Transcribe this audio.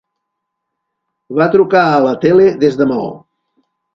Va trucar a la tele des de Maó.